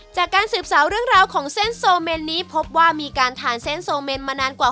จากการสืบสาวเรื่องราวของเส้นโซเมนนี้พบว่ามีการทานเส้นโซเมนมานานกว่า